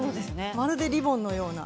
まるでリボンのような。